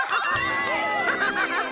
ハハハハッ！